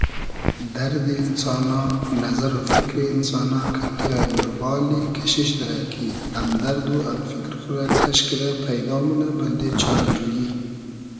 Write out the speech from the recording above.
دئردی اینسانا ، نئزئر و فیکری اینسانا کئنتې آین روبا اللی کئشیش دیرۂ کی امدئرد و ام فیکر خو رۂ کئش کیدۂ پݷدا مونۂ بئلدې چارۂ جۉیی